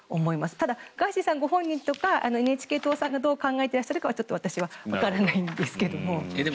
ただ、ガーシーさんご本人とかＮＨＫ党がどう考えているのかはちょっと私はわからないんですけども。